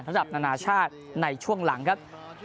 ระดับนานาชาติในช่วงหลังครับ